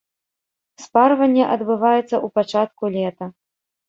Спарванне адбываецца ў пачатку лета.